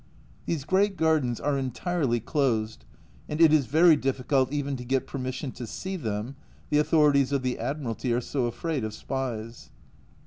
These great gardens are entirely closed, and it is very difficult even to get permission to see them, the authorities of the Admiralty are so afraid of spies.